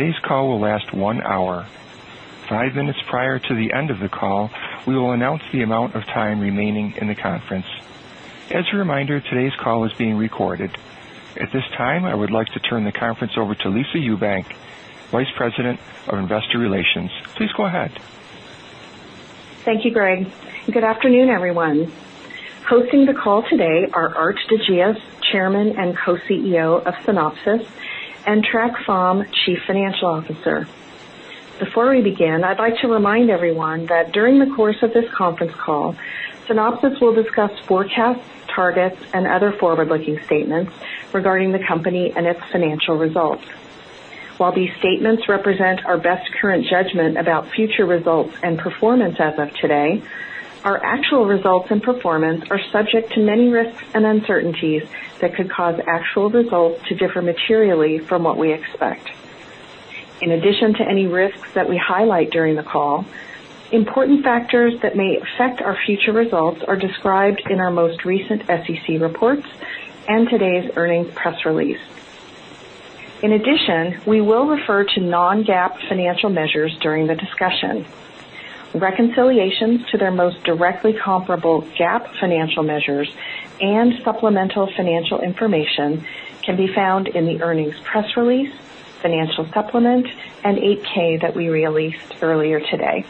Today's call will last one hour. Five minutes prior to the end of the call, we will announce the amount of time remaining in the conference. As a reminder, today's call is being recorded. At this time, I would like to turn the conference over to Lisa Ewbank, Vice President of Investor Relations. Please go ahead. Thank you, Greg, and good afternoon, everyone. Hosting the call today are Aart de Geus, Chairman and Co-CEO of Synopsys, and Trac Pham, Chief Financial Officer. Before we begin, I'd like to remind everyone that during the course of this conference call, Synopsys will discuss forecasts, targets, and other forward-looking statements regarding the company and its financial results. While these statements represent our best current judgment about future results and performance as of today, our actual results and performance are subject to many risks and uncertainties that could cause actual results to differ materially from what we expect. In addition to any risks that we highlight during the call, important factors that may affect our future results are described in our most recent SEC reports and today's earnings press release. In addition, we will refer to non-GAAP financial measures during the discussion. Reconciliations to their most directly comparable GAAP financial measures and supplemental financial information can be found in the earnings press release, financial supplement, and 8-K that we released earlier today.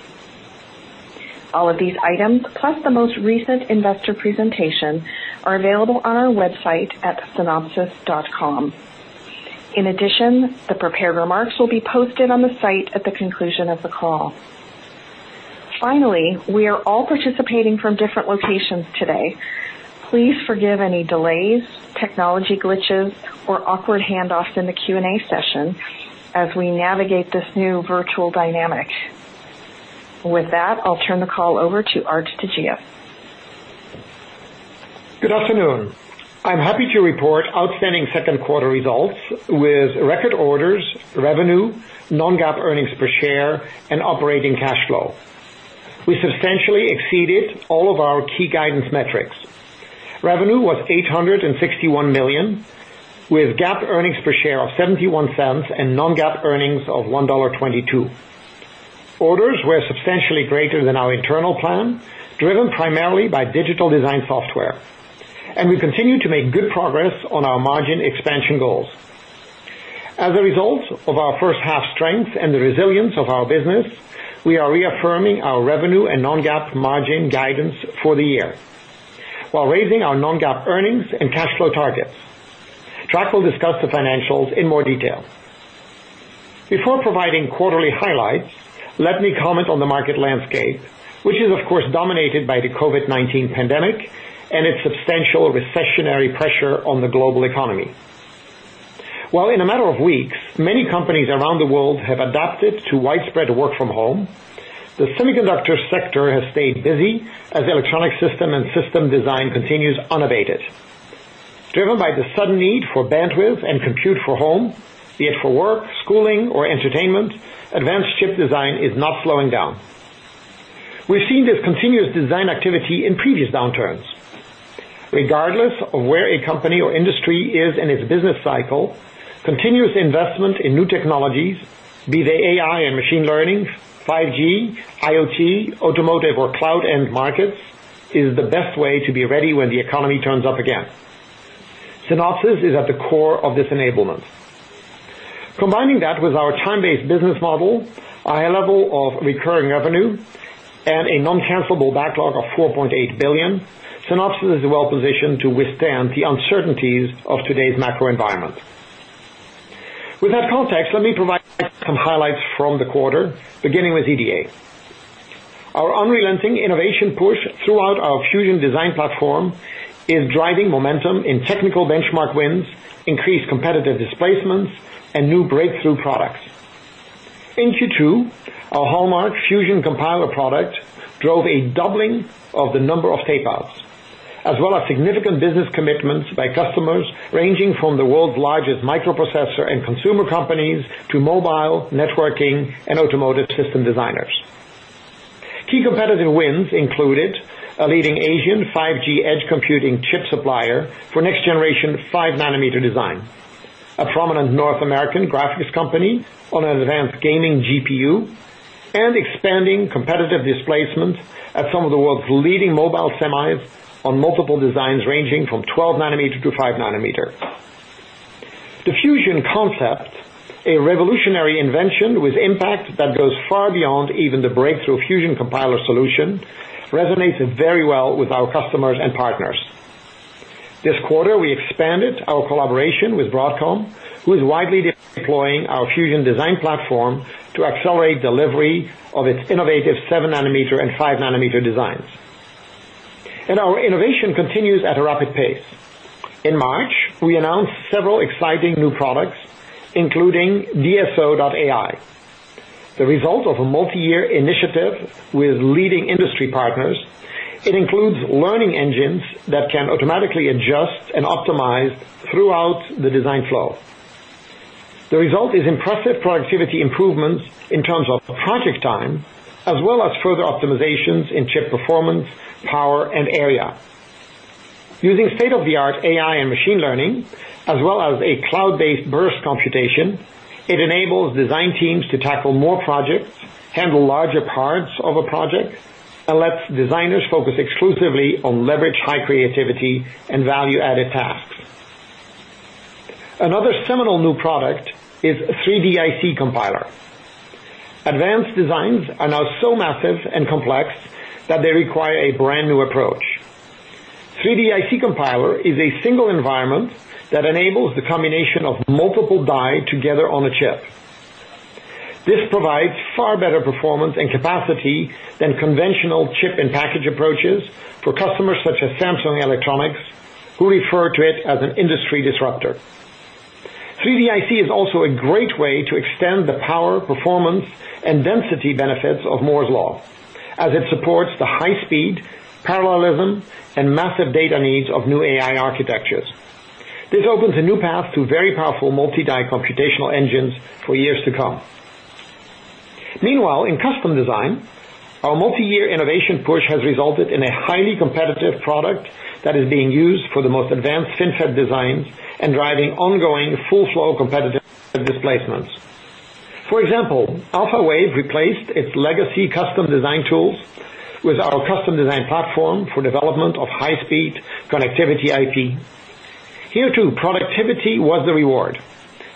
All of these items, plus the most recent investor presentation, are available on our website at synopsys.com. In addition, the prepared remarks will be posted on the site at the conclusion of the call. Finally, we are all participating from different locations today. Please forgive any delays, technology glitches, or awkward handoffs in the Q&A session as we navigate this new virtual dynamic. With that, I'll turn the call over to Aart de Geus. Good afternoon. I'm happy to report outstanding second quarter results with record orders, revenue, non-GAAP earnings per share, and operating cash flow. We substantially exceeded all of our key guidance metrics. Revenue was $861 million, with GAAP earnings per share of $0.71 and non-GAAP earnings of $1.22. Orders were substantially greater than our internal plan, driven primarily by digital design software. We continue to make good progress on our margin expansion goals. As a result of our first half strength and the resilience of our business, we are reaffirming our revenue and non-GAAP margin guidance for the year, while raising our non-GAAP earnings and cash flow targets. Trac will discuss the financials in more detail. Before providing quarterly highlights, let me comment on the market landscape, which is of course dominated by the COVID-19 pandemic and its substantial recessionary pressure on the global economy. While in a matter of weeks, many companies around the world have adapted to widespread work from home, the semiconductor sector has stayed busy as electronic system and system design continues unabated. Driven by the sudden need for bandwidth and compute for home, be it for work, schooling, or entertainment, advanced chip design is not slowing down. We've seen this continuous design activity in previous downturns. Regardless of where a company or industry is in its business cycle, continuous investment in new technologies, be they AI and machine learning, 5G, IoT, automotive, or cloud end markets, is the best way to be ready when the economy turns up again. Synopsys is at the core of this enablement. Combining that with our time-based business model, a high level of recurring revenue, and a non-cancellable backlog of $4.8 billion, Synopsys is well positioned to withstand the uncertainties of today's macro environment. With that context, let me provide some highlights from the quarter, beginning with EDA. Our unrelenting innovation push throughout our Fusion Design Platform is driving momentum in technical benchmark wins, increased competitive displacements, and new breakthrough products. In Q2, our hallmark Fusion Compiler product drove a doubling of the number of tape outs, as well as significant business commitments by customers ranging from the world's largest microprocessor and consumer companies to mobile, networking, and automotive system designers. Key competitive wins included a leading Asian 5G edge computing chip supplier for next-generation 5 nanometer design, a prominent North American graphics company on an advanced gaming GPU, and expanding competitive displacements at some of the world's leading mobile semis on multiple designs ranging from 12 nanometer to 5 nanometer. The Fusion concept, a revolutionary invention with impact that goes far beyond even the breakthrough Fusion Compiler solution, resonates very well with our customers and partners. This quarter, we expanded our collaboration with Broadcom, who is widely deploying our Fusion Design Platform to accelerate delivery of its innovative seven nanometer and five nanometer designs. Our innovation continues at a rapid pace. In March, we announced several exciting new products, including DSO.ai. The result of a multi-year initiative with leading industry partners, it includes learning engines that can automatically adjust and optimize throughout the design flow. The result is impressive productivity improvements in terms of project time, as well as further optimizations in chip performance, power, and area. Using state-of-the-art AI and machine learning, as well as a cloud-based burst computation, it enables design teams to tackle more projects, handle larger parts of a project, and lets designers focus exclusively on leverage high creativity and value-added tasks. Another seminal new product is 3DIC Compiler. Advanced designs are now so massive and complex that they require a brand-new approach. 3DIC Compiler is a single environment that enables the combination of multiple die together on a chip. This provides far better performance and capacity than conventional chip and package approaches for customers such as Samsung Electronics, who refer to it as an industry disruptor. 3D IC is also a great way to extend the power, performance, and density benefits of Moore's Law, as it supports the high speed, parallelism, and massive data needs of new AI architectures. This opens a new path to very powerful multi-die computational engines for years to come. Meanwhile, in custom design, our multi-year innovation push has resulted in a highly competitive product that is being used for the most advanced FinFET designs and driving ongoing full flow competitive displacements. For example, Alphawave replaced its legacy custom design tools with our Custom Design Platform for development of high-speed connectivity IP. Here, too, productivity was the reward,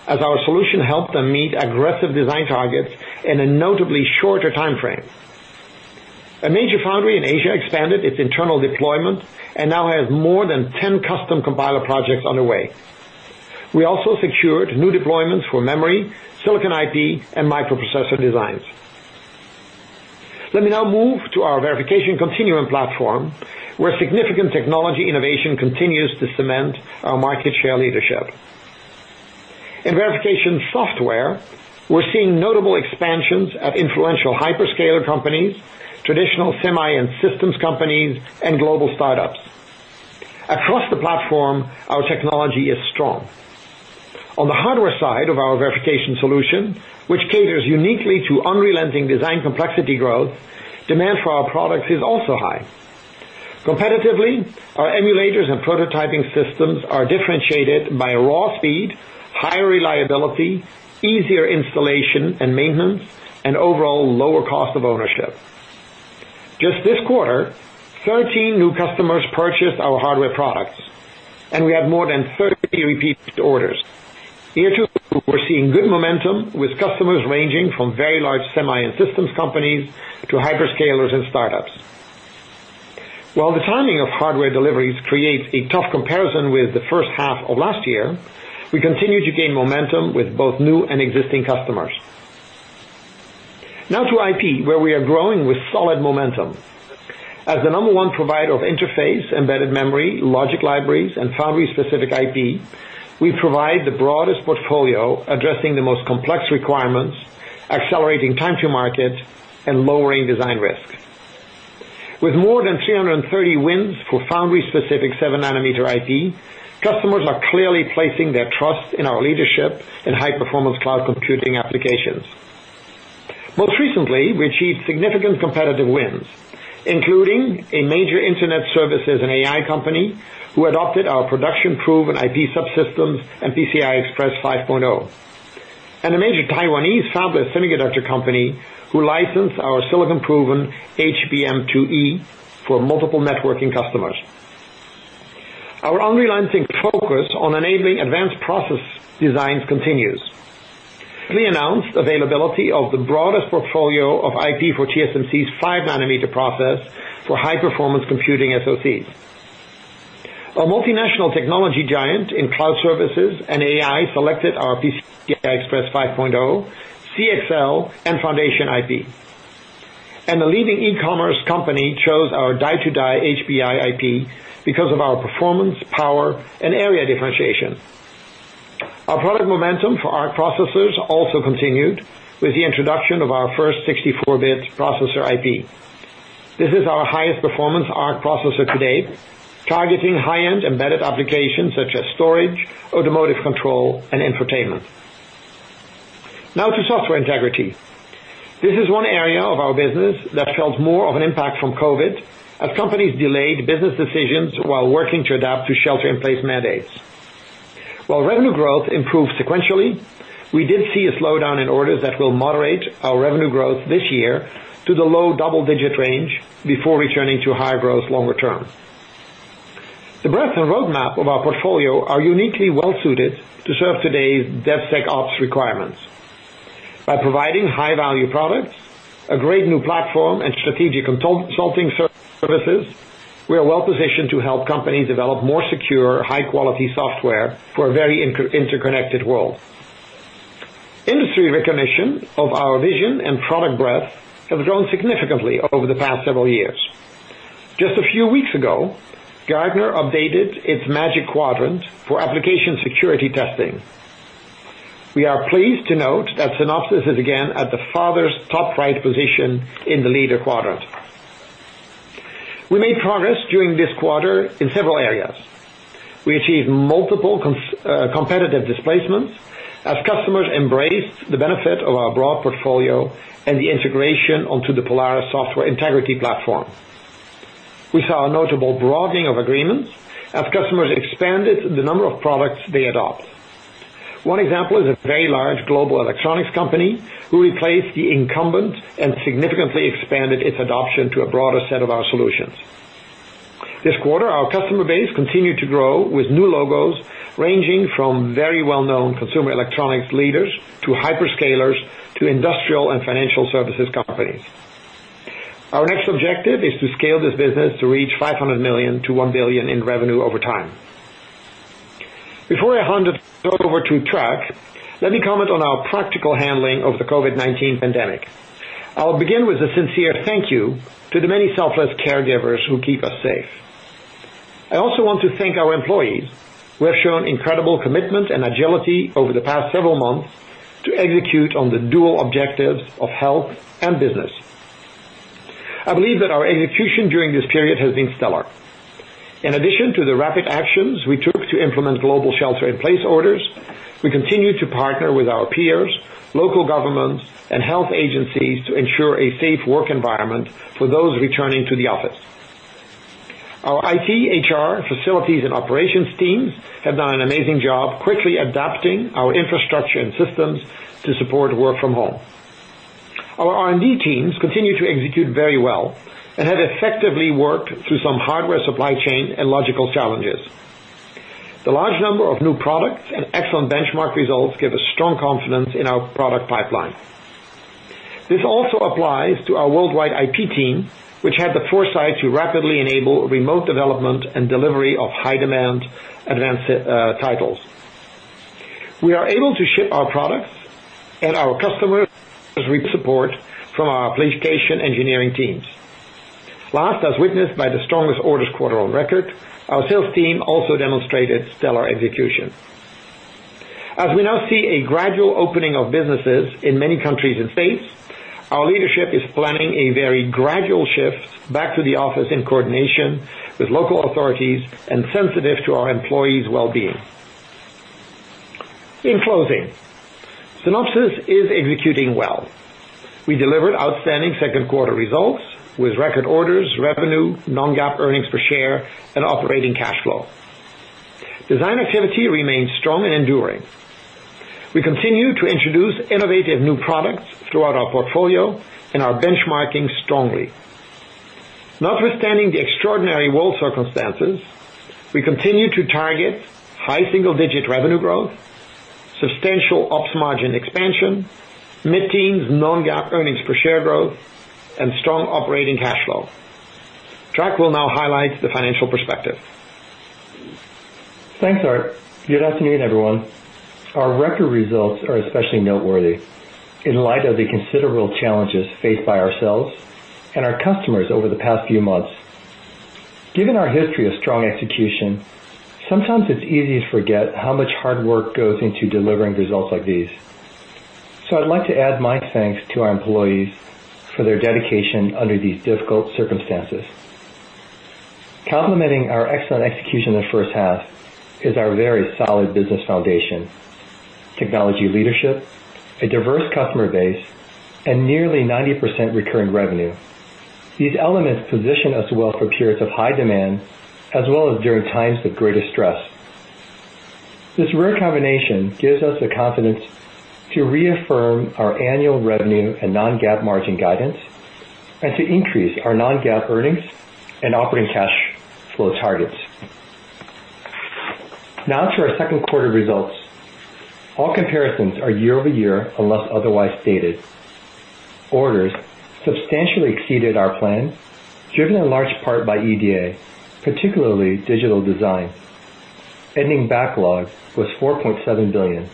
as our solution helped them meet aggressive design targets in a notably shorter timeframe. A major foundry in Asia expanded its internal deployment and now has more than 10 Custom Compiler projects underway. We also secured new deployments for memory, silicon IP, and microprocessor designs. Let me now move to our Verification Continuum Platform, where significant technology innovation continues to cement our market share leadership. In verification software, we're seeing notable expansions at influential hyperscaler companies, traditional semi and systems companies, and global startups. Across the platform, our technology is strong. On the hardware side of our verification solution, which caters uniquely to unrelenting design complexity growth, demand for our products is also high. Competitively, our emulators and prototyping systems are differentiated by raw speed, high reliability, easier installation and maintenance, and overall lower cost of ownership. Just this quarter, 13 new customers purchased our hardware products, and we have more than 30 repeat orders. Here, too, we're seeing good momentum with customers ranging from very large semi and systems companies to hyperscalers and startups. While the timing of hardware deliveries creates a tough comparison with the first half of last year, we continue to gain momentum with both new and existing customers. To IP, where we are growing with solid momentum. As the number one provider of interface, embedded memory, logic libraries, and foundry-specific IP, we provide the broadest portfolio addressing the most complex requirements, accelerating time to market, and lowering design risk. With more than 330 wins for foundry-specific seven nanometer IP, customers are clearly placing their trust in our leadership in high-performance cloud computing applications. Most recently, we achieved significant competitive wins, including a major internet services and AI company who adopted our production-proven IP subsystems and PCI Express 5.0, and a major Taiwanese fabless semiconductor company who licensed our silicon-proven HBM2E for multiple networking customers. Our unrelenting focus on enabling advanced process designs continues. We announced availability of the broadest portfolio of IP for TSMC's 5-nanometer process for high-performance computing SOCs. A multinational technology giant in cloud services and AI selected our PCI Express 5.0, CXL, and Foundation IP. A leading e-commerce company chose our die-to-die HBI IP because of our performance, power, and area differentiation. Our product momentum for ARC processors also continued with the introduction of our first 64-bit processor IP. This is our highest performance ARC processor to date, targeting high-end embedded applications such as storage, automotive control, and entertainment. Now to software integrity. This is one area of our business that felt more of an impact from COVID-19, as companies delayed business decisions while working to adapt to shelter-in-place mandates. While revenue growth improved sequentially, we did see a slowdown in orders that will moderate our revenue growth this year to the low double-digit range before returning to higher growth longer term. The breadth and roadmap of our portfolio are uniquely well-suited to serve today's DevSecOps requirements. By providing high-value products, a great new platform, and strategic consulting services, we are well positioned to help companies develop more secure, high-quality software for a very interconnected world. Industry recognition of our vision and product breadth have grown significantly over the past several years. Just a few weeks ago, Gartner updated its Magic Quadrant for application security testing. We are pleased to note that Synopsys is again at the farthest top right position in the leader quadrant. We made progress during this quarter in several areas. We achieved multiple competitive displacements as customers embraced the benefit of our broad portfolio and the integration onto the Polaris Software Integrity Platform. We saw a notable broadening of agreements as customers expanded the number of products they adopt. One example is a very large global electronics company who replaced the incumbent and significantly expanded its adoption to a broader set of our solutions. This quarter, our customer base continued to grow with new logos ranging from very well-known consumer electronics leaders to hyperscalers, to industrial and financial services companies. Our next objective is to scale this business to reach $500 million-$1 billion in revenue over time. Before I hand it over to Trac, let me comment on our practical handling of the COVID-19 pandemic. I will begin with a sincere thank you to the many selfless caregivers who keep us safe. I also want to thank our employees, who have shown incredible commitment and agility over the past several months to execute on the dual objectives of health and business. I believe that our execution during this period has been stellar. In addition to the rapid actions we took to implement global shelter-in-place orders, we continued to partner with our peers, local governments, and health agencies to ensure a safe work environment for those returning to the office. Our IT, HR, facilities, and operations teams have done an amazing job quickly adapting our infrastructure and systems to support work from home. Our R&D teams continue to execute very well and have effectively worked through some hardware supply chain and logical challenges. The large number of new products and excellent benchmark results give us strong confidence in our product pipeline. This also applies to our worldwide IT team, which had the foresight to rapidly enable remote development and delivery of high-demand advanced titles. We are able to ship our products, and our customers receive support from our application engineering teams. Last, as witnessed by the strongest orders quarter on record, our sales team also demonstrated stellar execution. As we now see a gradual opening of businesses in many countries and states, our leadership is planning a very gradual shift back to the office in coordination with local authorities and sensitive to our employees' wellbeing. In closing, Synopsys is executing well. We delivered outstanding second quarter results with record orders, revenue, non-GAAP earnings per share, and operating cash flow. Design activity remains strong and enduring. We continue to introduce innovative new products throughout our portfolio and are benchmarking strongly. Notwithstanding the extraordinary world circumstances, we continue to target high single-digit revenue growth, substantial ops margin expansion, mid-teens non-GAAP earnings per share growth, and strong operating cash flow. Trac will now highlight the financial perspective. Thanks, Aart. Good afternoon, everyone. Our record results are especially noteworthy in light of the considerable challenges faced by ourselves and our customers over the past few months. Given our history of strong execution, sometimes it's easy to forget how much hard work goes into delivering results like these. I'd like to add my thanks to our employees for their dedication under these difficult circumstances. Complementing our excellent execution in the first half is our very solid business foundation, technology leadership, a diverse customer base, and nearly 90% recurring revenue. These elements position us well for periods of high demand, as well as during times of greater stress. This rare combination gives us the confidence to reaffirm our annual revenue and non-GAAP margin guidance and to increase our non-GAAP earnings and operating cash flow targets. To our second quarter results. All comparisons are year-over-year, unless otherwise stated. Orders substantially exceeded our plan, driven in large part by EDA, particularly digital design. Ending backlog was $4.7 billion.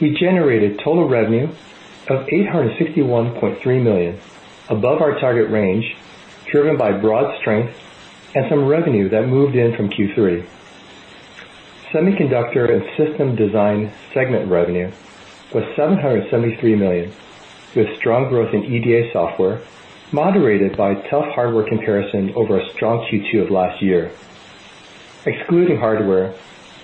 We generated total revenue of $861.3 million, above our target range, driven by broad strength and some revenue that moved in from Q3. Semiconductor and system design segment revenue was $773 million, with strong growth in EDA software, moderated by tough hardware comparison over a strong Q2 of last year. Excluding hardware,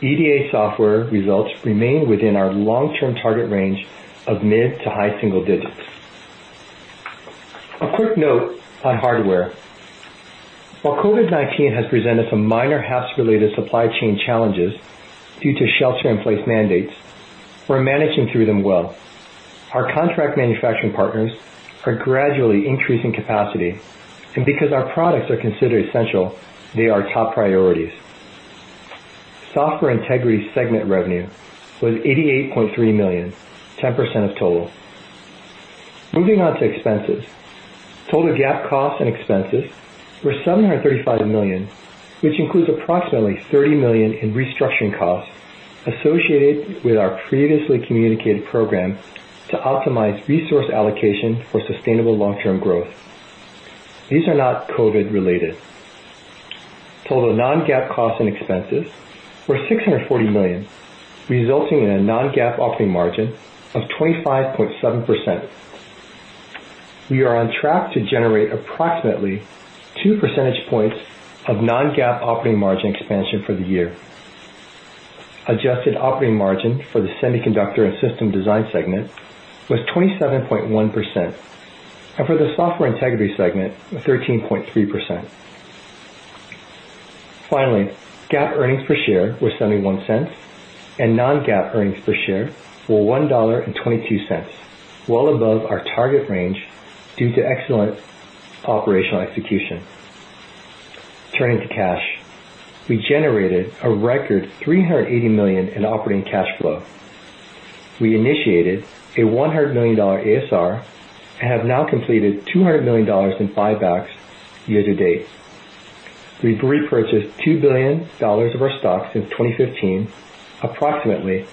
EDA software results remain within our long-term target range of mid to high single digits. A quick note on hardware. While COVID-19 has presented some minor HAPS related supply chain challenges due to shelter-in-place mandates, we're managing through them well. Our contract manufacturing partners are gradually increasing capacity, and because our products are considered essential, they are top priorities. Software integrity segment revenue was $88.3 million, 10% of total. Moving on to expenses. Total GAAP costs and expenses were $735 million, which includes approximately $30 million in restructuring costs associated with our previously communicated program to optimize resource allocation for sustainable long-term growth. These are not COVID related. Total non-GAAP costs and expenses were $640 million, resulting in a non-GAAP operating margin of 25.7%. We are on track to generate approximately two percentage points of non-GAAP operating margin expansion for the year. Adjusted operating margin for the semiconductor and system design segment was 27.1%, and for the software integrity segment, 13.3%. Finally, GAAP earnings per share were $0.71 and non-GAAP earnings per share were $1.22, well above our target range due to excellent operational execution. Turning to cash. We generated a record $380 million in operating cash flow. We initiated a $100 million ASR and have now completed $200 million in buybacks year to date. We've repurchased $2 billion of our stock since 2015, approximately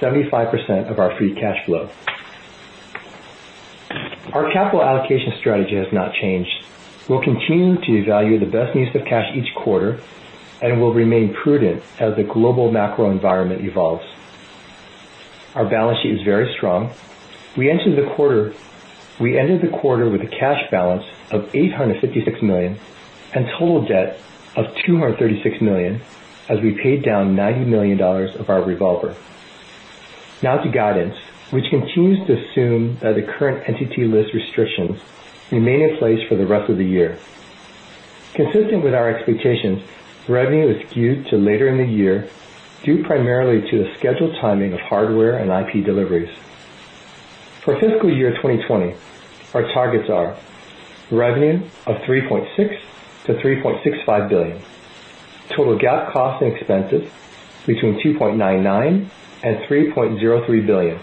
75% of our free cash flow. Our capital allocation strategy has not changed. We'll continue to evaluate the best use of cash each quarter, and we'll remain prudent as the global macro environment evolves. Our balance sheet is very strong. We ended the quarter with a cash balance of $856 million and total debt of $236 million as we paid down $90 million of our revolver. Now to guidance, which continues to assume that the current Entity List restrictions remain in place for the rest of the year. Consistent with our expectations, revenue is skewed to later in the year, due primarily to the scheduled timing of hardware and IP deliveries. For fiscal year 2020, our targets are revenue of $3.6 billion-$3.65 billion. Total GAAP costs and expenses between $2.99 billion and $3.03 billion.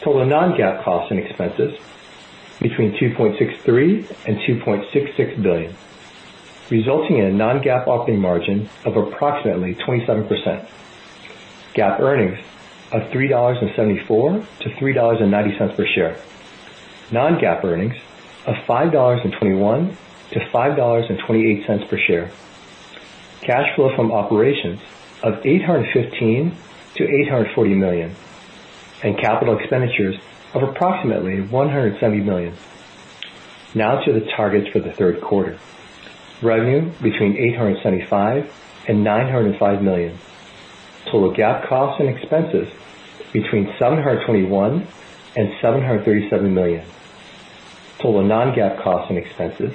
Total non-GAAP costs and expenses between $2.63 billion and $2.66 billion, resulting in a non-GAAP operating margin of approximately 27%. GAAP earnings of $3.74 to $3.90 per share. Non-GAAP earnings of $5.21 to $5.28 per share. Cash flow from operations of $815 million to $840 million, and capital expenditures of approximately $170 million. To the targets for the third quarter. Revenue between $875 million and $905 million. Total GAAP costs and expenses between $721 million and $737 million. Total non-GAAP costs and expenses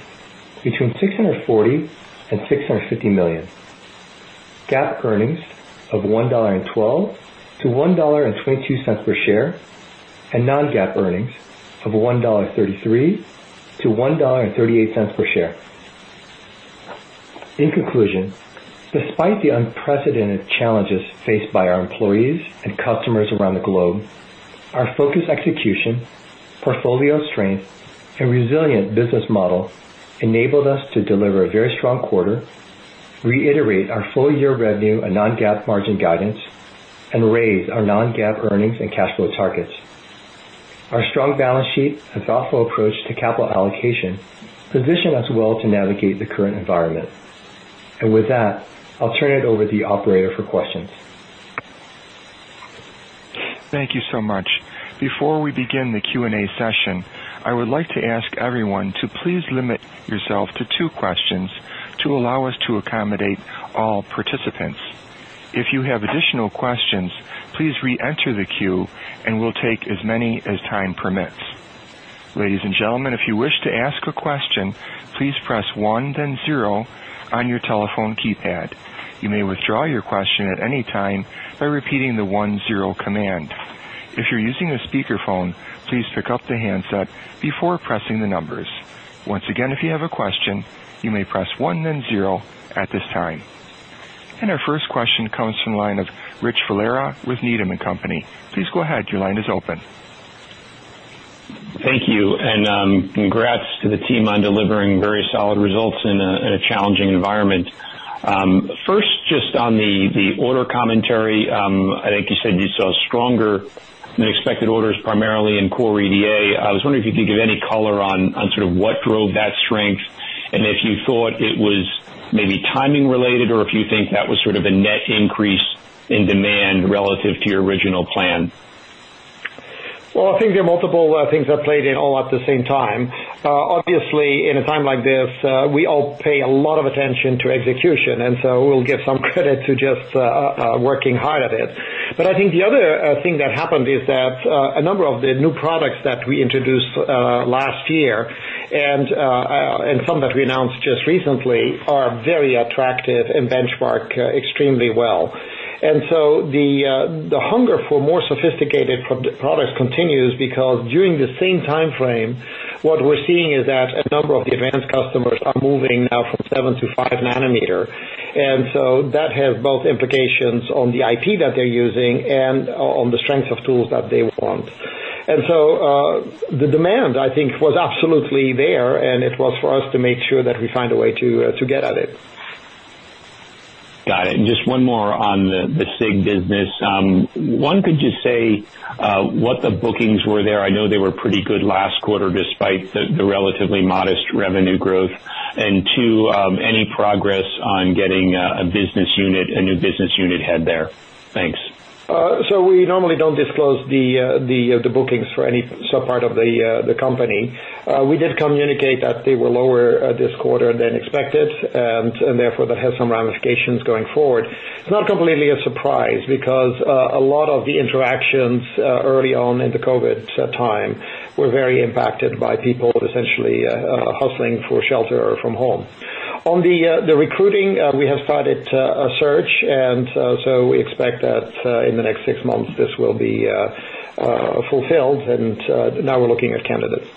between $640 million and $650 million. GAAP earnings of $1.12 to $1.22 per share, and non-GAAP earnings of $1.33 to $1.38 per share. In conclusion, despite the unprecedented challenges faced by our employees and customers around the globe, our focused execution, portfolio strength, and resilient business model enabled us to deliver a very strong quarter, reiterate our full-year revenue and non-GAAP margin guidance, and raise our non-GAAP earnings and cash flow targets. Our strong balance sheet and thoughtful approach to capital allocation position us well to navigate the current environment. With that, I'll turn it over to the operator for questions. Thank you so much. Before we begin the Q&A session, I would like to ask everyone to please limit yourself to two questions to allow us to accommodate all participants. If you have additional questions, please reenter the queue and we'll take as many as time permits. Ladies and gentlemen, if you wish to ask a question, please press one then zero on your telephone keypad. You may withdraw your question at any time by repeating the one-zero command. If you're using a speakerphone, please pick up the handset before pressing the numbers. Once again, if you have a question, you may press one then zero at this time. Our first question comes from the line of Rich Valera with Needham & Company. Please go ahead. Your line is open. Thank you. Congrats to the team on delivering very solid results in a challenging environment. First, just on the order commentary, I think you said you saw stronger than expected orders, primarily in Core EDA. I was wondering if you could give any color on what drove that strength and if you thought it was maybe timing related or if you think that was sort of a net increase in demand relative to your original plan? I think there are multiple things that played in all at the same time. Obviously, in a time like this, we all pay a lot of attention to execution, and so we'll give some credit to just working hard at it. I think the other thing that happened is that a number of the new products that we introduced last year and some that we announced just recently are very attractive and benchmark extremely well. The hunger for more sophisticated products continues because during the same time frame, what we're seeing is that a number of the advanced customers are moving now from seven to five nanometer. That has both implications on the IP that they're using and on the strength of tools that they want. The demand, I think, was absolutely there, and it was for us to make sure that we find a way to get at it. Got it. Just one more on the SIG business. One, could you say what the bookings were there? I know they were pretty good last quarter despite the relatively modest revenue growth. Two, any progress on getting a new business unit head there? Thanks. We normally don't disclose the bookings for any sub-part of the company. We did communicate that they were lower this quarter than expected, and therefore, that has some ramifications going forward. It's not completely a surprise because a lot of the interactions early on in the COVID time were very impacted by people essentially hustling for shelter from home. On the recruiting, we have started a search, and so we expect that in the next six months this will be fulfilled, and now we're looking at candidates.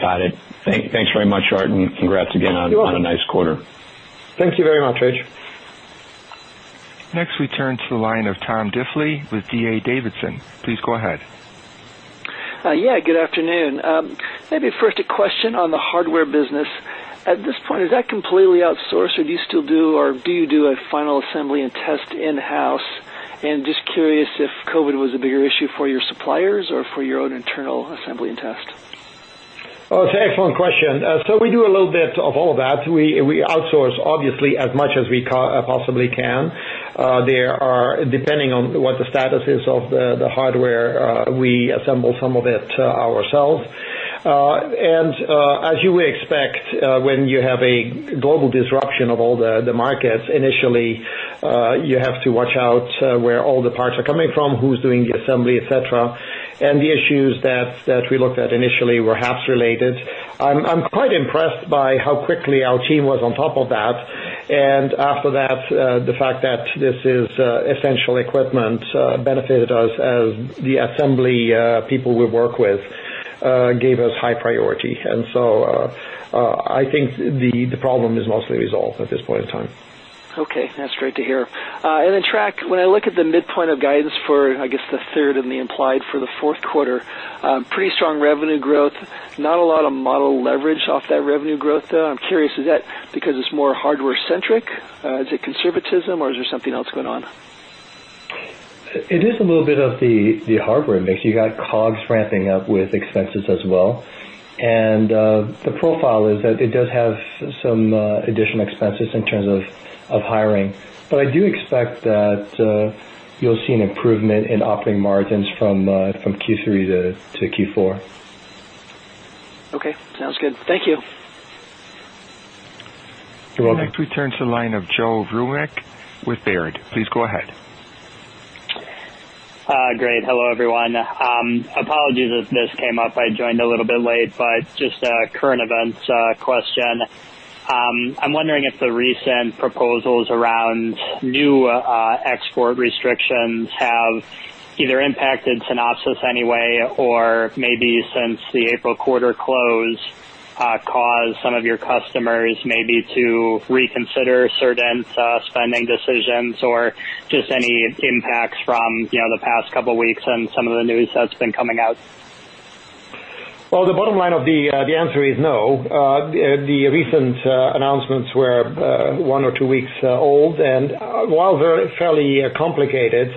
Got it. Thanks very much, Aart, and congrats again. You're welcome. on a nice quarter. Thank you very much, Rich. Next, we turn to the line of Tom Diffely with D.A. Davidson. Please go ahead. Yeah, good afternoon. Maybe first a question on the hardware business. At this point, is that completely outsourced, or do you still do, or do you do a final assembly and test in-house? Just curious if COVID-19 was a bigger issue for your suppliers or for your own internal assembly and test? Oh, it's an excellent question. We do a little bit of all that. We outsource, obviously, as much as we possibly can. Depending on what the status is of the hardware, we assemble some of it ourselves. As you would expect, when you have a global disruption of all the markets, initially, you have to watch out where all the parts are coming from, who's doing the assembly, et cetera. The issues that we looked at initially were HAPS related. I'm quite impressed by how quickly our team was on top of that. After that, the fact that this is essential equipment benefited us as the assembly people we work with gave us high priority. I think the problem is mostly resolved at this point in time. Okay. That's great to hear. Trac, when I look at the midpoint of guidance for, I guess, the third and the implied for the fourth quarter, pretty strong revenue growth, not a lot of model leverage off that revenue growth, though. I'm curious, is that because it's more hardware centric? Is it conservatism, or is there something else going on? It is a little bit of the hardware mix. You got COGS ramping up with expenses as well. The profile is that it does have some additional expenses in terms of hiring. I do expect that you'll see an improvement in operating margins from Q3 to Q4. Okay, sounds good. Thank you. You're welcome. Next, we turn to the line of Joe Vruwink with Baird. Please go ahead. Great. Hello, everyone. Apologies if this came up, I joined a little bit late, but just a current events question. I'm wondering if the recent proposals around new export restrictions have either impacted Synopsys any way, or maybe since the April quarter close caused some of your customers maybe to reconsider certain spending decisions, or just any impacts from the past couple of weeks and some of the news that's been coming out. Well, the bottom line of the answer is no. The recent announcements were one or two weeks old, and while they're fairly complicated,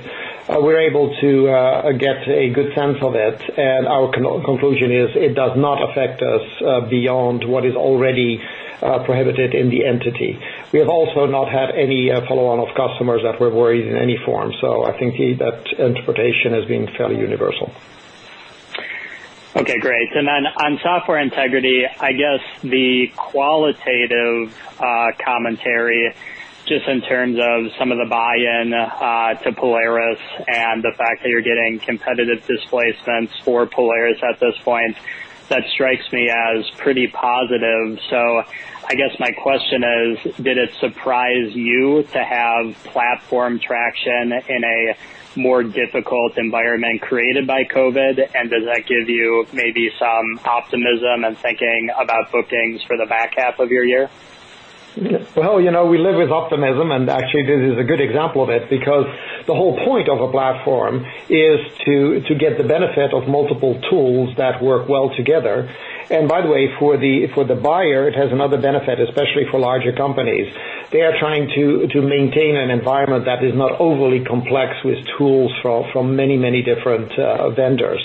we're able to get a good sense of it, and our conclusion is it does not affect us beyond what is already prohibited in the entity. We have also not had any follow on of customers that we're worried in any form. I think that interpretation has been fairly universal. Okay, great. On software integrity, I guess the qualitative commentary, just in terms of some of the buy-in to Polaris and the fact that you're getting competitive displacements for Polaris at this point, that strikes me as pretty positive. I guess my question is, did it surprise you to have platform traction in a more difficult environment created by COVID? Does that give you maybe some optimism and thinking about bookings for the back half of your year? Well, we live with optimism. Actually, this is a good example of it, because the whole point of a platform is to get the benefit of multiple tools that work well together. By the way, for the buyer, it has another benefit, especially for larger companies. They are trying to maintain an environment that is not overly complex with tools from many different vendors.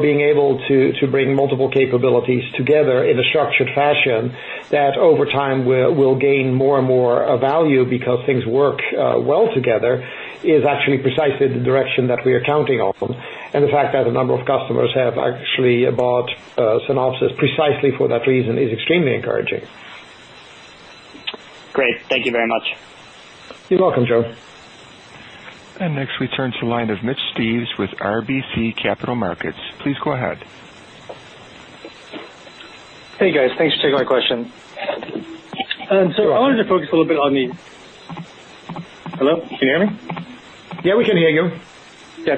Being able to bring multiple capabilities together in a structured fashion that over time will gain more and more value because things work well together is actually precisely the direction that we are counting on. The fact that a number of customers have actually bought Synopsys precisely for that reason is extremely encouraging. Great. Thank you very much. You're welcome, Joe. Next, we turn to line of Mitch Steves with RBC Capital Markets. Please go ahead. Hey, guys. Thanks for taking my question. You're welcome. I wanted to focus a little bit on the. Hello, can you hear me? Yeah, we can hear you. I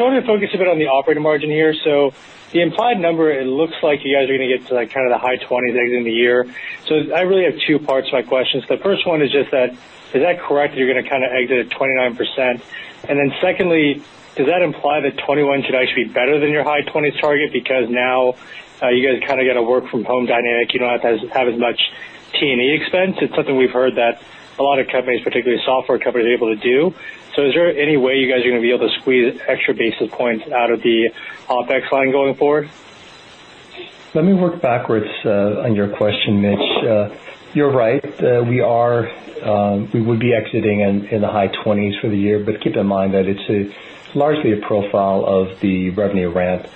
want to focus a bit on the operating margin here. The implied number, it looks like you guys are going to get to the high 20s exiting the year. I really have two parts to my questions. The first one is just that, is that correct, you're going to exit at 29%? Secondly, does that imply that FY 2021 should actually be better than your high 20s target because now you guys got a work from home dynamic, you don't have as much T&E expense? It's something we've heard that a lot of companies, particularly software companies, are able to do. Is there any way you guys are going to be able to squeeze extra basis points out of the OpEx line going forward? Let me work backwards on your question, Mitch. You're right. We would be exiting in the high 20s for the year, but keep in mind that it's largely a profile of the revenue ramp.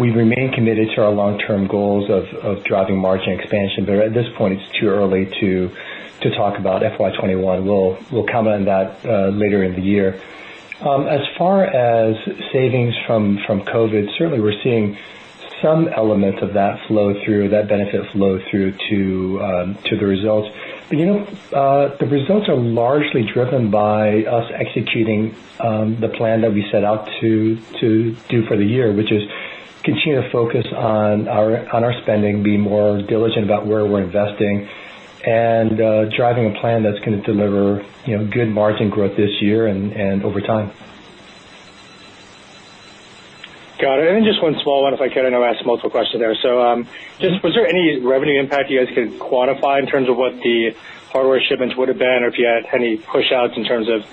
We remain committed to our long-term goals of driving margin expansion, but at this point, it's too early to talk about FY21. We'll comment on that later in the year. As far as savings from COVID, certainly we're seeing some element of that benefit flow through to the results. The results are largely driven by us executing the plan that we set out to do for the year, which is continue to focus on our spending, be more diligent about where we're investing, and driving a plan that's going to deliver good margin growth this year and over time. Got it. Then just one small one if I could. I know I asked multiple questions there. Just was there any revenue impact you guys could quantify in terms of what the hardware shipments would've been or if you had any pushouts in terms of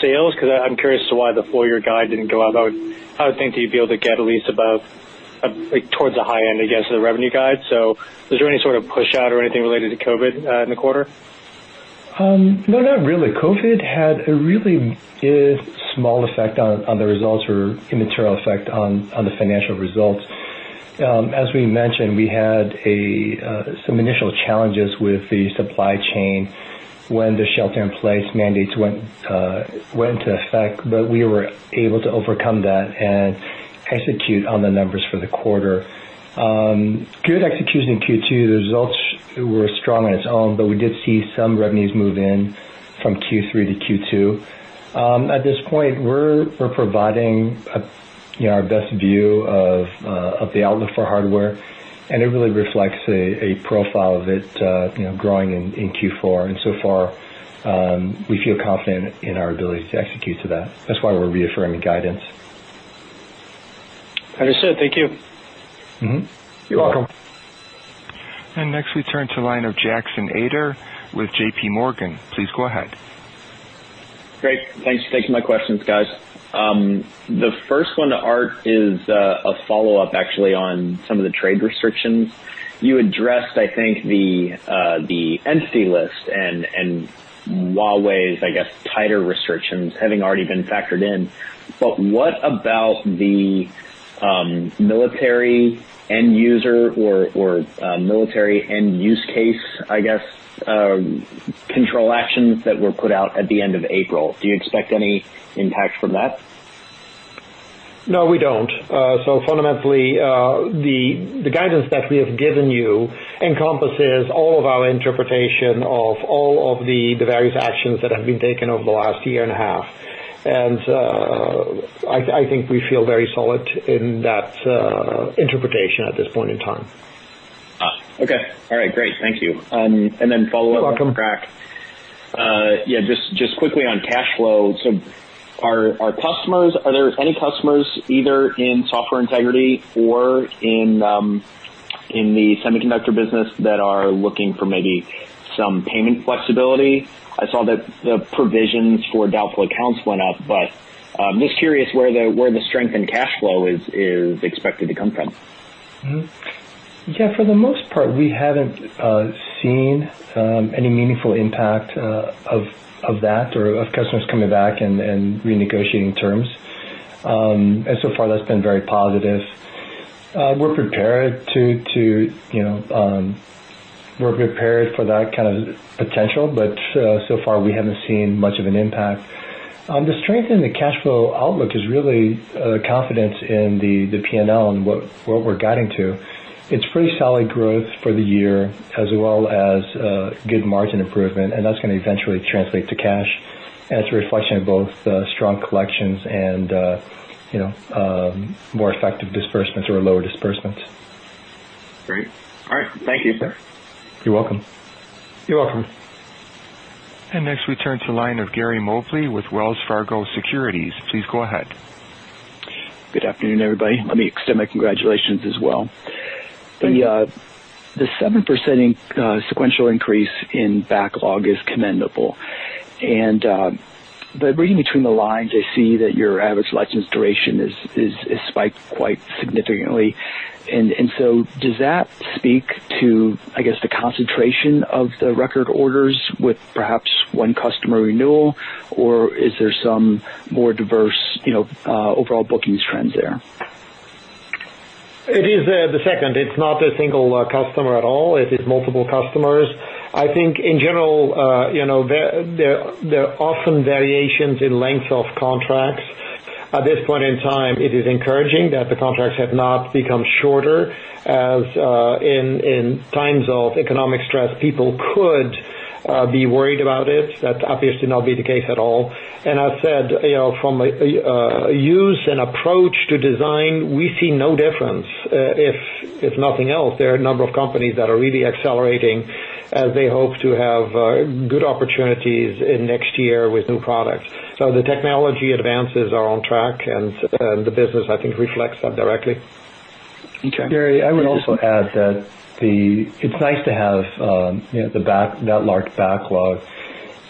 sales? Because I'm curious to why the full-year guide didn't go up. I would think that you'd be able to get at least above, towards the high end, I guess, of the revenue guide. Was there any sort of pushout or anything related to COVID in the quarter? No, not really. COVID had a really small effect on the results or immaterial effect on the financial results. As we mentioned, we had some initial challenges with the supply chain when the shelter-in-place mandates went into effect, but we were able to overcome that and execute on the numbers for the quarter. Good execution in Q2. The results were strong on its own, but we did see some revenues move in from Q3 to Q2. At this point, we're providing our best view of the outlook for hardware, and it really reflects a profile of it growing in Q4. So far, we feel confident in our ability to execute to that. That's why we're reaffirming guidance. Understood. Thank you. Mm-hmm. You're welcome. Next we turn to the line of Jackson Ader with J.P. Morgan. Please go ahead. Great. Thanks for taking my questions, guys. The first one to Aart is a follow-up actually on some of the trade restrictions. You addressed, I think, the entity list and Huawei's, I guess, tighter restrictions having already been factored in. What about the military end user or military end use case, I guess, control actions that were put out at the end of April? Do you expect any impact from that? No, we don't. Fundamentally, the guidance that we have given you encompasses all of our interpretation of all of the various actions that have been taken over the last year and a half. I think we feel very solid in that interpretation at this point in time. Okay. All right, great. Thank you. You're welcome. Follow up on Trac. Yeah, just quickly on cash flow. Are there any customers either in Software Integrity or in the semiconductor business that are looking for maybe some payment flexibility? I saw that the provisions for doubtful accounts went up, I'm just curious where the strength in cash flow is expected to come from. Yeah, for the most part, we haven't seen any meaningful impact of that or of customers coming back and renegotiating terms. So far, that's been very positive. We're prepared for that kind of potential, so far we haven't seen much of an impact. The strength in the cash flow outlook is really confidence in the P&L and what we're guiding to. It's pretty solid growth for the year as well as good margin improvement, and that's going to eventually translate to cash. It's a reflection of both strong collections and more effective disbursements or lower disbursements. Great. All right. Thank you. You're welcome. You're welcome. Next we turn to the line of Gary Mobley with Wells Fargo Securities. Please go ahead. Good afternoon, everybody. Let me extend my congratulations as well. Thank you. The 7% sequential increase in backlog is commendable. Reading between the lines, I see that your average license duration has spiked quite significantly. Does that speak to, I guess, the concentration of the record orders with perhaps one customer renewal, or is there some more diverse overall bookings trend there? It is the second. It's not a single customer at all. It is multiple customers. I think in general, there are often variations in lengths of contracts. At this point in time, it is encouraging that the contracts have not become shorter as in times of economic stress, people could be worried about it. That's obviously not been the case at all. As said, from a use and approach to design, we see no difference. If nothing else, there are a number of companies that are really accelerating as they hope to have good opportunities in next year with new products. The technology advances are on track, and the business, I think, reflects that directly. Okay. Gary, I would also add that it's nice to have that large backlog.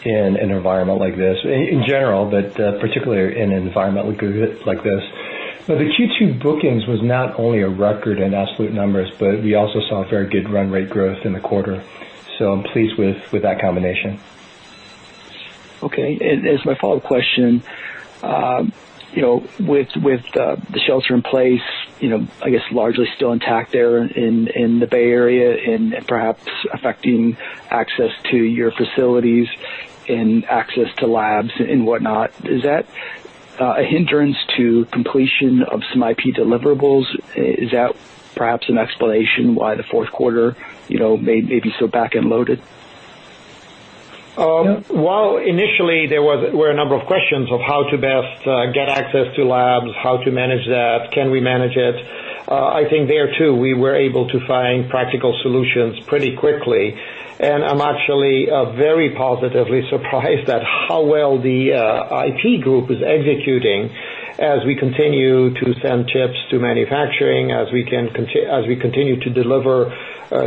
In an environment like this, in general, but particularly in an environment like this. The Q2 bookings was not only a record in absolute numbers, but we also saw a very good run rate growth in the quarter. I'm pleased with that combination. Okay. As my follow-up question, with the shelter in place, I guess largely still intact there in the Bay Area and perhaps affecting access to your facilities and access to labs and whatnot, is that a hindrance to completion of some IP deliverables? Is that perhaps an explanation why the fourth quarter may be so back-end loaded? While initially there were a number of questions of how to best get access to labs, how to manage that, can we manage it, I think there, too, we were able to find practical solutions pretty quickly. I'm actually very positively surprised at how well the IT group is executing as we continue to send chips to manufacturing, as we continue to deliver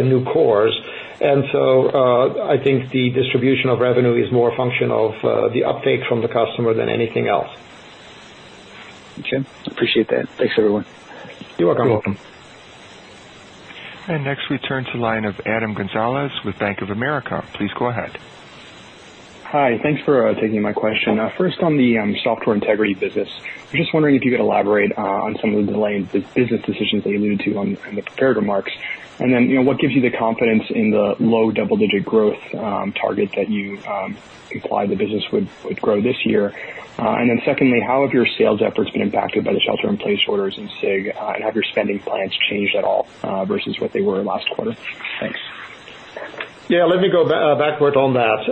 new cores. I think the distribution of revenue is more a function of the update from the customer than anything else. Okay. Appreciate that. Thanks, everyone. You're welcome. You're welcome. Next, we turn to line of Adam Gonzalez with Bank of America. Please go ahead. Hi. Thanks for taking my question. First, on the Software Integrity business, I'm just wondering if you could elaborate on some of the delayed business decisions that you alluded to on the prepared remarks. What gives you the confidence in the low double-digit growth target that you implied the business would grow this year? Secondly, how have your sales efforts been impacted by the shelter-in-place orders in SIG? Have your spending plans changed at all versus what they were last quarter? Thanks. Yeah, let me go backward on that.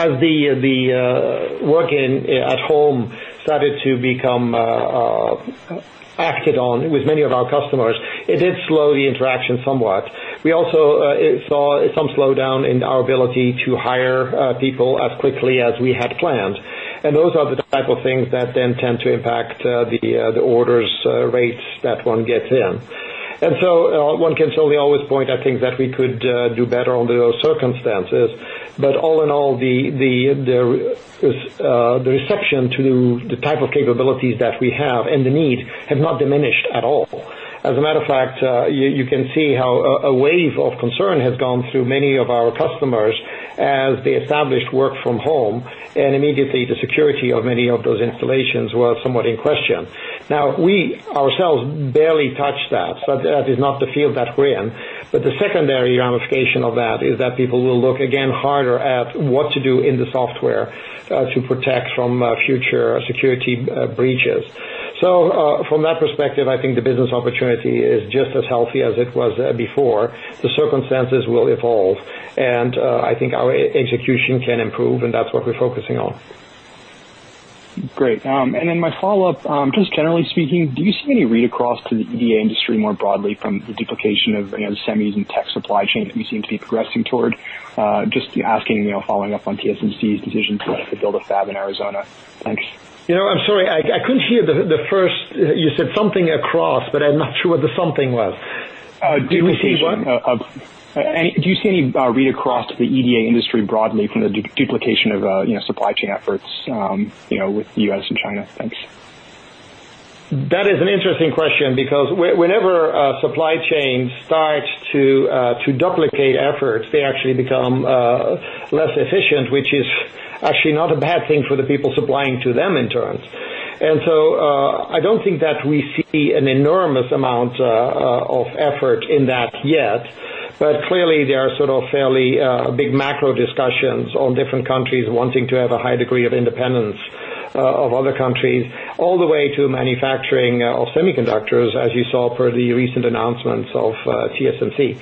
As the working at home started to become acted on with many of our customers, it did slow the interaction somewhat. We also saw some slowdown in our ability to hire people as quickly as we had planned. Those are the type of things that then tend to impact the orders rates that one gets in. One can certainly always point at things that we could do better under those circumstances. All in all, the reception to the type of capabilities that we have and the need have not diminished at all. As a matter of fact, you can see how a wave of concern has gone through many of our customers as they established work from home, immediately the security of many of those installations was somewhat in question. We ourselves barely touch that, so that is not the field that we're in. The secondary ramification of that is that people will look again harder at what to do in the software to protect from future security breaches. From that perspective, I think the business opportunity is just as healthy as it was before. The circumstances will evolve, and I think our execution can improve, and that's what we're focusing on. Great. My follow-up, just generally speaking, do you see any read across to the EDA industry more broadly from the duplication of the semis and tech supply chain that we seem to be progressing toward? Just asking, following up on TSMC's decision to build a fab in Arizona. Thanks. I'm sorry, I couldn't hear the first. You said something across, but I'm not sure what the something was. Duplication of- Can you say again? Do you see any read across to the EDA industry broadly from the duplication of supply chain efforts with the U.S. and China? Thanks. That is an interesting question because whenever a supply chain starts to duplicate efforts, they actually become less efficient, which is actually not a bad thing for the people supplying to them in turn. I don't think that we see an enormous amount of effort in that yet. Clearly, there are sort of fairly big macro discussions on different countries wanting to have a high degree of independence of other countries, all the way to manufacturing of semiconductors, as you saw per the recent announcements of TSMC.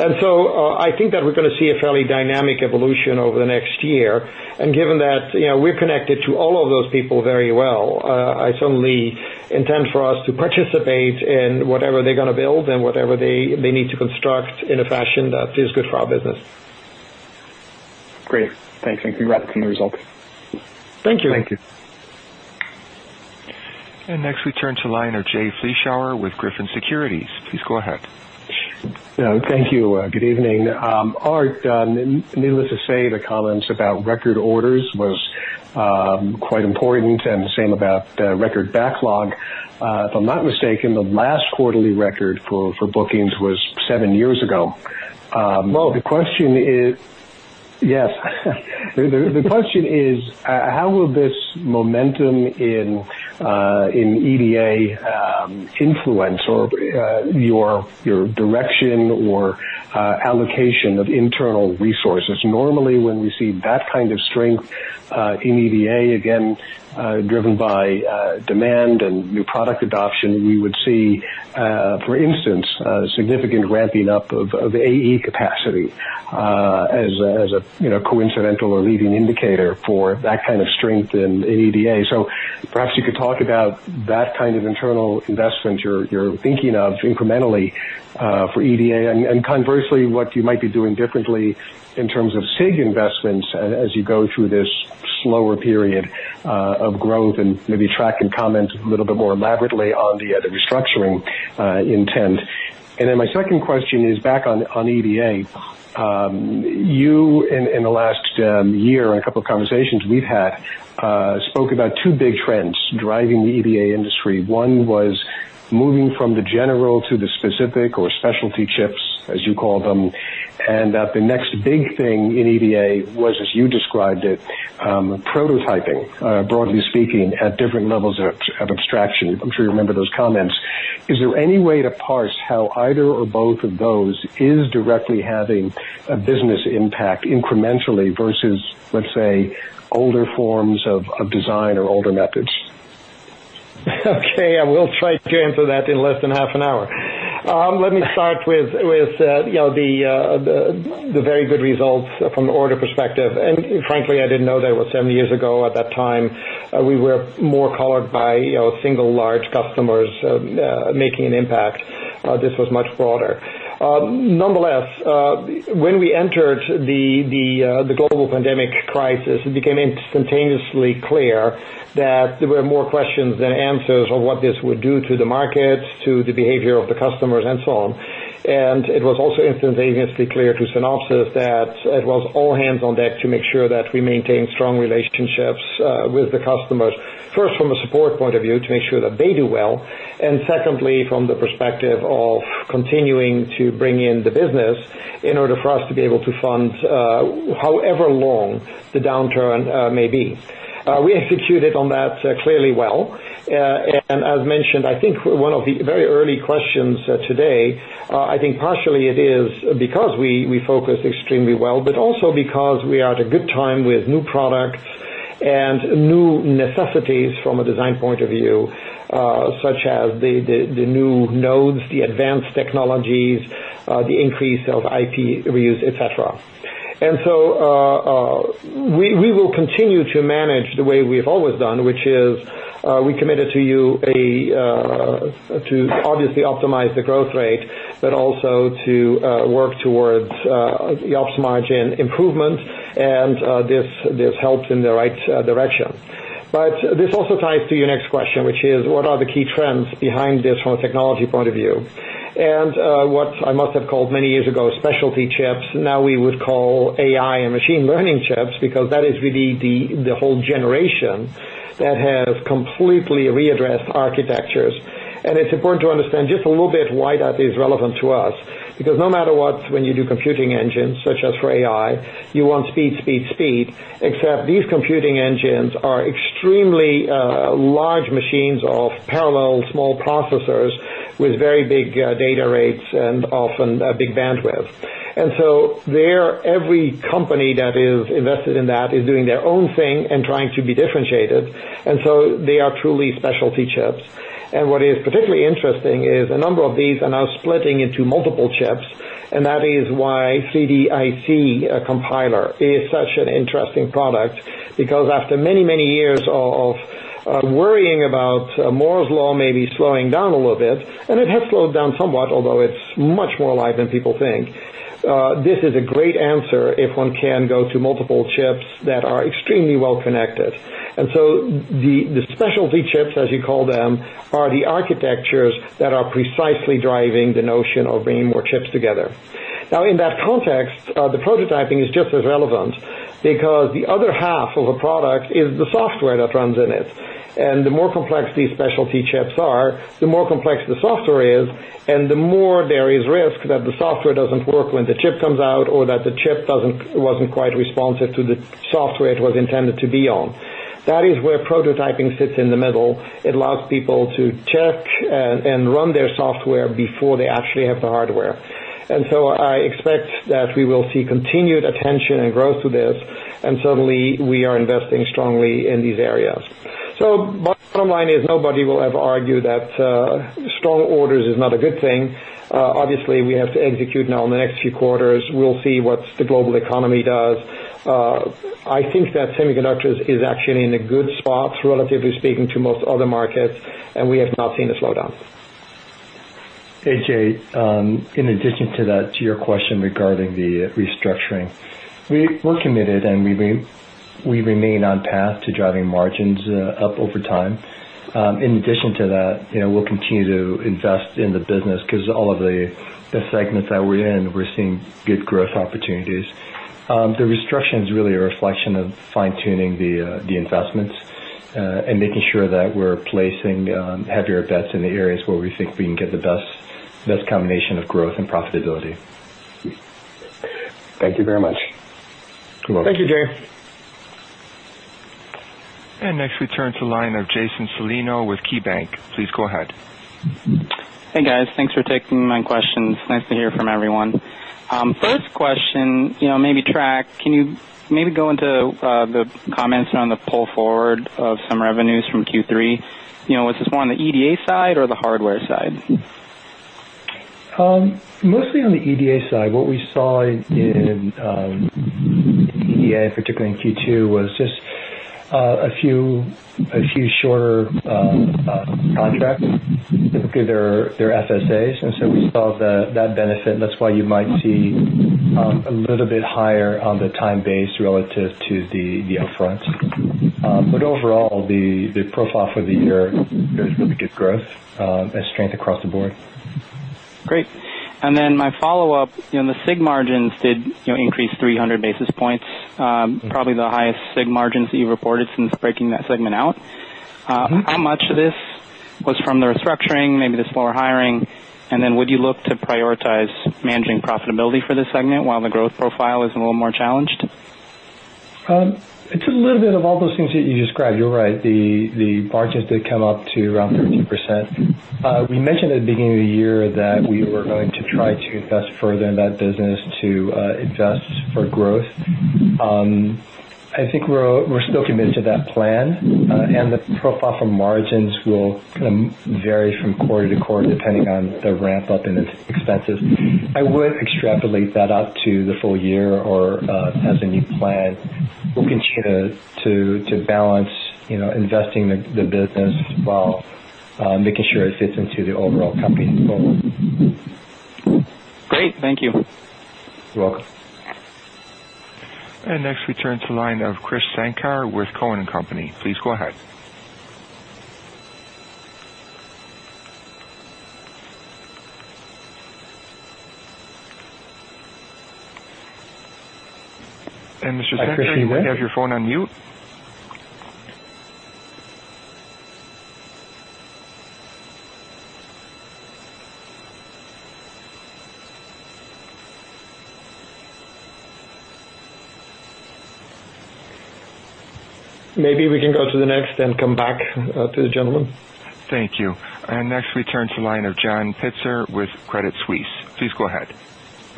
I think that we're going to see a fairly dynamic evolution over the next year. Given that we're connected to all of those people very well, I certainly intend for us to participate in whatever they're going to build and whatever they need to construct in a fashion that is good for our business. Great. Thanks. I can write that in the results. Thank you. Thank you. Next we turn to line of Jay Vleeschhouwer with Griffin Securities. Please go ahead. Thank you. Good evening. Aart, needless to say, the comments about record orders was quite important and the same about record backlog. If I'm not mistaken, the last quarterly record for bookings was seven years ago. Whoa. The question is-- Yes. The question is, how will this momentum in EDA influence your direction or allocation of internal resources? Normally, when we see that kind of strength in EDA, again, driven by demand and new product adoption, we would see, for instance, significant ramping up of AE capacity as a coincidental or leading indicator for that kind of strength in EDA. Perhaps you could talk about that kind of internal investment you're thinking of incrementally for EDA, and conversely, what you might be doing differently in terms of SIG investments as you go through this slower period of growth and maybe Trac and comment a little bit more elaborately on the restructuring intent. My second question is back on EDA. You, in the last year, in a couple of conversations we've had, spoke about two big trends driving the EDA industry. One was moving from the general to the specific or specialty chips, as you call them, and that the next big thing in EDA was, as you described it, prototyping, broadly speaking, at different levels of abstraction. I'm sure you remember those comments. Is there any way to parse how either or both of those is directly having a business impact incrementally versus, let's say, older forms of design or older methods? Okay, I will try to answer that in less than half an hour. Let me start with the very good results from the order perspective. Frankly, I didn't know that it was seven years ago. At that time, we were more colored by single large customers making an impact. This was much broader. When we entered the global pandemic crisis, it became instantaneously clear that there were more questions than answers on what this would do to the market, to the behavior of the customers, and so on. It was also instantaneously clear to Synopsys that it was all hands on deck to make sure that we maintain strong relationships with the customers. First, from a support point of view, to make sure that they do well, and secondly, from the perspective of continuing to bring in the business in order for us to be able to fund however long the downturn may be. We executed on that clearly well, and as mentioned, I think one of the very early questions today, I think partially it is because we focus extremely well, but also because we are at a good time with new products and new necessities from a design point of view, such as the new nodes, the advanced technologies, the increase of IP reuse, et cetera. We will continue to manage the way we've always done, which is, we committed to you to obviously optimize the growth rate, but also to work towards the ops margin improvement, and this helps in the right direction. This also ties to your next question, which is, what are the key trends behind this from a technology point of view? What I must have called many years ago, specialty chips, now we would call AI and machine learning chips, because that is really the whole generation that has completely readdressed architectures. It's important to understand just a little bit why that is relevant to us, because no matter what, when you do computing engines, such as for AI, you want speed. Except, these computing engines are extremely large machines of parallel small processors with very big data rates and often big bandwidth. Every company that is invested in that is doing their own thing and trying to be differentiated, and so they are truly specialty chips. What is particularly interesting is a number of these are now splitting into multiple chips, and that is why 3DIC Compiler is such an interesting product. Because after many years of worrying about Moore's Law maybe slowing down a little bit, and it has slowed down somewhat, although it's much more alive than people think, this is a great answer if one can go to multiple chips that are extremely well-connected. So the specialty chips, as you call them, are the architectures that are precisely driving the notion of bringing more chips together. Now, in that context, the prototyping is just as relevant because the other half of a product is the software that runs in it. The more complex these specialty chips are, the more complex the software is, and the more there is risk that the software doesn't work when the chip comes out or that the chip wasn't quite responsive to the software it was intended to be on. That is where prototyping sits in the middle. It allows people to check and run their software before they actually have the hardware. I expect that we will see continued attention and growth to this, and certainly, we are investing strongly in these areas. My bottom line is nobody will ever argue that strong orders is not a good thing. Obviously, we have to execute now in the next few quarters. We'll see what the global economy does. I think that semiconductors is actually in a good spot, relatively speaking, to most other markets, and we have not seen a slowdown. Hey, Jay. In addition to that, to your question regarding the restructuring, we're committed and we remain on path to driving margins up over time. In addition to that, we'll continue to invest in the business because all of the segments that we're in, we're seeing good growth opportunities. The restructuring is really a reflection of fine-tuning the investments and making sure that we're placing heavier bets in the areas where we think we can get the best combination of growth and profitability. Thank you very much. You're welcome. Thank you, Jay. Next we turn to the line of Jason Celino with KeyBanc. Please go ahead. Hey, guys. Thanks for taking my questions. Nice to hear from everyone. First question, maybe Trac, can you maybe go into the comments on the pull forward of some revenues from Q3? Was this more on the EDA side or the hardware side? Mostly on the EDA side. What we saw in EDA, particularly in Q2, was just a few shorter contracts through their FSAs. We saw that benefit, and that's why you might see a little bit higher on the time-based relative to the upfront. Overall, the profile for the year is really good growth and strength across the board. Great. My follow-up, the SIG margins did increase 300 basis points, probably the highest SIG margins that you've reported since breaking that segment out. How much of this was from the restructuring, maybe the slower hiring? Would you look to prioritize managing profitability for this segment while the growth profile is a little more challenged? It's a little bit of all those things that you described. You're right, the margins did come up to around 13%. We mentioned at the beginning of the year that we were going to try to invest further in that business to invest for growth. I think we're still committed to that plan. The profile for margins will kind of vary from quarter to quarter, depending on the ramp-up in its expenses. I would extrapolate that out to the full year or as a new plan. We'll continue to balance investing the business while making sure it fits into the overall company going forward. Great. Thank you. You're welcome. Next we turn to line of Krish Sankar with Cowen and Company. Please go ahead. Mr. Sankar- Hi, Krish. You might have your phone on mute. Maybe we can go to the next and come back to the gentleman. Thank you. Next we turn to line of John Pitzer with Credit Suisse. Please go ahead.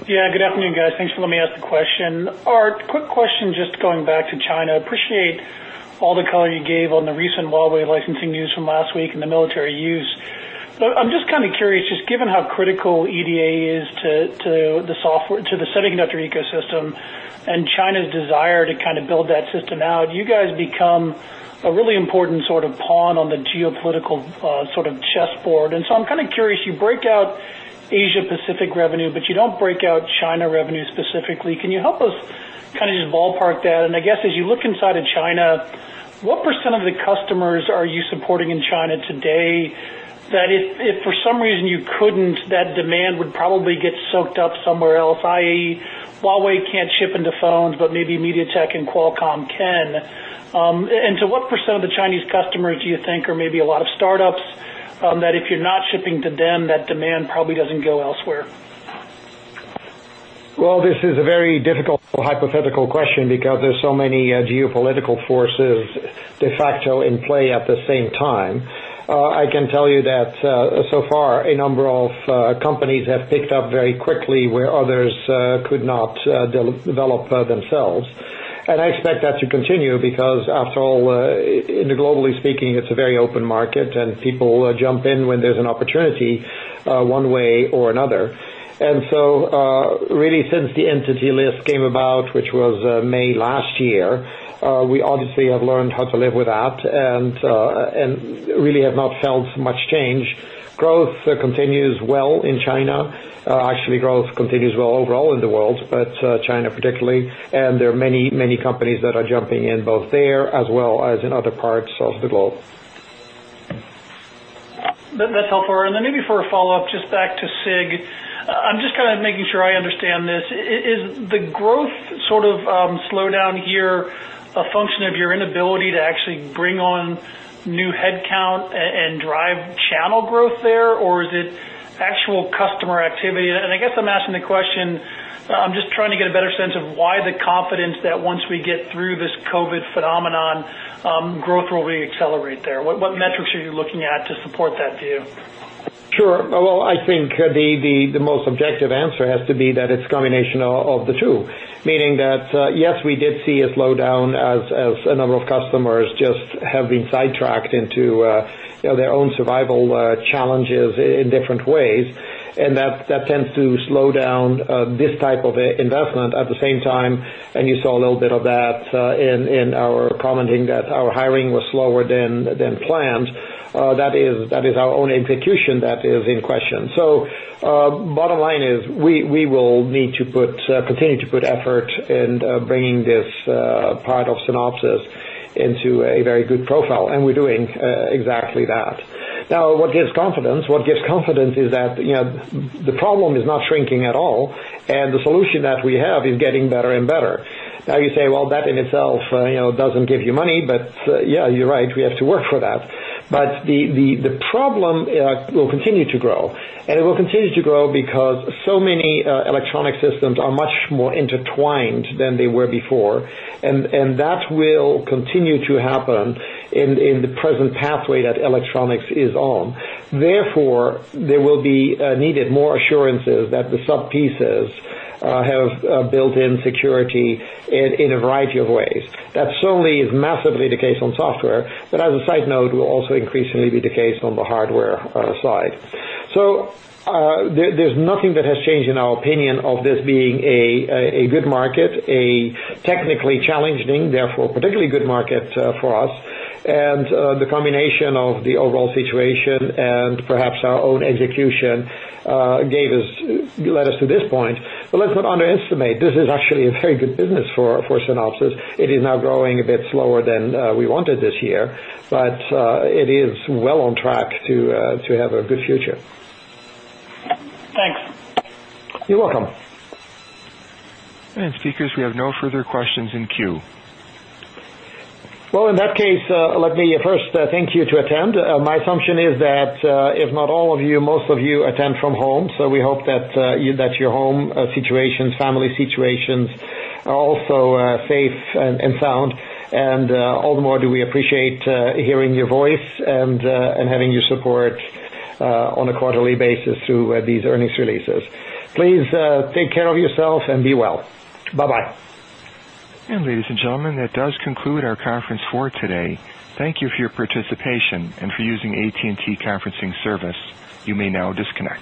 Good afternoon, guys. Thanks for letting me ask the question. Aart, quick question, just going back to China. Appreciate all the color you gave on the recent Huawei licensing news from last week and the military use. I'm just kind of curious, just given how critical EDA is to the semiconductor ecosystem and China's desire to kind of build that system out, you guys become a really important sort of pawn on the geopolitical sort of chessboard. I'm kind of curious, you break out Asia Pacific revenue, but you don't break out China revenue specifically. Can you help us kind of just ballpark that? I guess as you look inside of China, what % of the customers are you supporting in China today, that if for some reason you couldn't, that demand would probably get soaked up somewhere else, i.e., Huawei can't ship into phones, but maybe MediaTek and Qualcomm can? What % of the Chinese customers do you think are maybe a lot of startups, that if you're not shipping to them, that demand probably doesn't go elsewhere? Well, this is a very difficult hypothetical question because there's so many geopolitical forces de facto in play at the same time. I can tell you that so far, a number of companies have picked up very quickly where others could not develop themselves. I expect that to continue because after all, globally speaking, it's a very open market and people jump in when there's an opportunity one way or another. Really since the entity list came about, which was May last year, we obviously have learned how to live with that and really have not felt much change. Growth continues well in China. Actually, growth continues well overall in the world, but China particularly, and there are many companies that are jumping in both there as well as in other parts of the globe. That's helpful. Maybe for a follow-up, just back to SIG. I'm just kind of making sure I understand this. Is the growth sort of slowdown here a function of your inability to actually bring on new headcount and drive channel growth there, or is it actual customer activity? I guess I'm asking the question, I'm just trying to get a better sense of why the confidence that once we get through this COVID phenomenon, growth will re-accelerate there. What metrics are you looking at to support that view? Sure. I think the most objective answer has to be that it's a combination of the two. Meaning that yes, we did see a slowdown as a number of customers just have been sidetracked into their own survival challenges in different ways, and that tends to slow down this type of investment at the same time, and you saw a little bit of that in our commenting that our hiring was slower than planned. That is our own execution that is in question. Bottom line is we will need to continue to put effort in bringing this part of Synopsys into a very good profile, and we're doing exactly that. What gives confidence? What gives confidence is that the problem is not shrinking at all, and the solution that we have is getting better and better. You say, well, that in itself doesn't give you money, yeah, you're right, we have to work for that. The problem will continue to grow, it will continue to grow because so many electronic systems are much more intertwined than they were before, that will continue to happen in the present pathway that electronics is on. There will be needed more assurances that the sub-pieces have built-in security in a variety of ways. That certainly is massively the case on software, as a side note, will also increasingly be the case on the hardware side. There's nothing that has changed in our opinion of this being a good market, a technically challenging, therefore particularly good market for us, and the combination of the overall situation and perhaps our own execution led us to this point. Let's not underestimate, this is actually a very good business for Synopsys. It is now growing a bit slower than we wanted this year, but it is well on track to have a good future. Thanks. You're welcome. Speakers, we have no further questions in queue. Well, in that case, let me first thank you to attend. My assumption is that if not all of you, most of you attend from home, so we hope that your home situations, family situations are also safe and sound. All the more do we appreciate hearing your voice and having your support on a quarterly basis through these earnings releases. Please take care of yourself and be well. Bye-bye. Ladies and gentlemen, that does conclude our conference for today. Thank you for your participation and for using AT&T conferencing service. You may now disconnect.